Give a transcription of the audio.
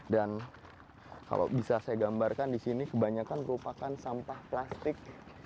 dan kalau bisa saya gambarkan di sini kebanyakan merupakan sampah plastik